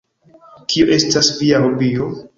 Kio estas via hobio?